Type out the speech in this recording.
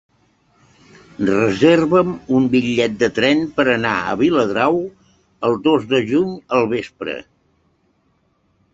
Reserva'm un bitllet de tren per anar a Viladrau el dos de juny al vespre.